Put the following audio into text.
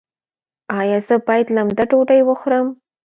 ایا زه باید لمده ډوډۍ وخورم؟